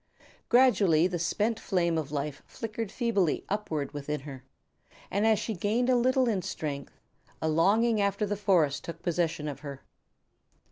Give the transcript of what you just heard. Gradually the spent flame of life flickered feebly upward within her, and as she gained a little in strength, a longing after the forest took possession of her.